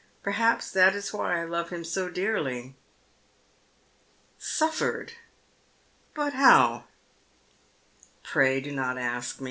Perhaps that is why I love him so dearly." " Suffered'? But how ?"" Pray do not ask me.